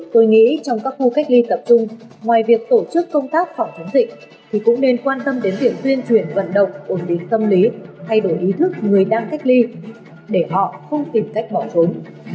tôi nghĩ trong các khu cách ly tập trung ngoài việc tổ chức công tác phòng chống dịch thì cũng nên quan tâm đến việc tuyên truyền vận động ổn định tâm lý thay đổi ý thức người đang cách ly để họ không tìm cách bỏ trốn